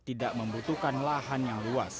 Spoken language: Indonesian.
tidak membutuhkan lahan yang luas